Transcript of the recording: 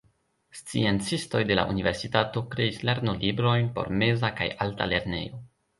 Sciencistoj de la universitato kreis lernolibrojn por meza kaj alta lernejo.